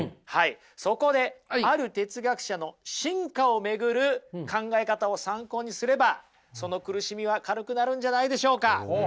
そこである哲学者の進化を巡る考え方を参考にすればその苦しみは軽くなるんじゃないんでしょうか。